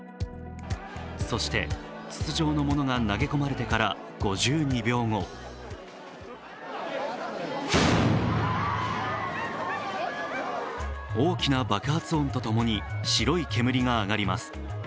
そして筒状のものが投げ込まれてから５２秒後大きな爆発音とともに白い煙が上がります。